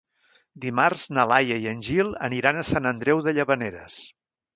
Dimarts na Laia i en Gil aniran a Sant Andreu de Llavaneres.